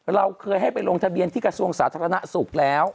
เราเคยให้ไปลงทะเบียนที่กระทรวงสาธารณสุขแล้ว